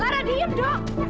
lara diem dong